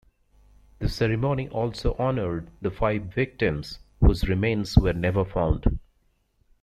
The ceremony also honored the five victims whose remains were never found.